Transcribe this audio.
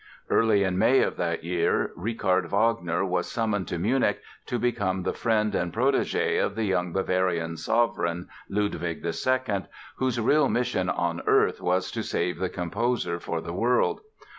Early in May of that year Richard Wagner was summoned to Munich to become the friend and protégé of the young Bavarian sovereign, Ludwig II, whose real mission on earth was to save the composer for the world.